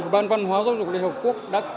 bàn văn hóa giáo dục liên hiệp quốc